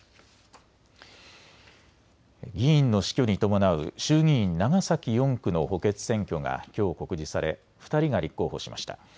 議員の死去に伴う衆議院長崎４区の補欠選挙がきょう告示され２人が立候補しました。